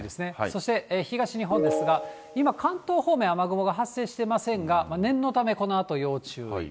そして東日本ですが、今関東方面、雨雲が発生してませんが、念のため、このあと要注意。